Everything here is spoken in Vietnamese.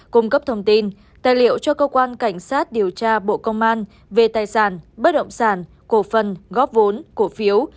cung cấp thông tin tài liệu cho cơ quan cảnh sát điều tra bộ công an về tài sản bất động sản cổ phần góp vốn cổ phiếu